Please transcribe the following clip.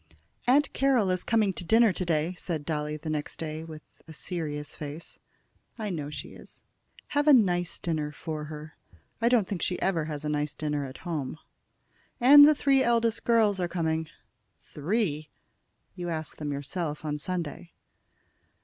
"Aunt Carroll is coming to dinner to day," said Dolly the next day, with a serious face. "I know she is. Have a nice dinner for her. I don't think she ever has a nice dinner at home." "And the three eldest girls are coming." "Three!" "You asked them yourself on Sunday."